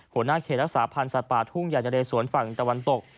หัวหน้าเขตรักษาพันธ์สัตว์ป่าทุ่งใหญ่นะเรสวนฝั่งตะวันตก